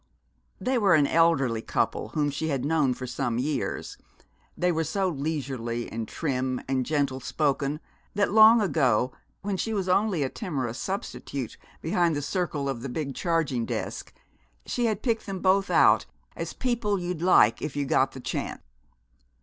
They were an elderly couple whom she had known for some years. They were so leisurely and trim and gentle spoken that long ago, when she was only a timorous substitute behind the circle of the big charging desk, she had picked them both out as people you'd like if you got the chance.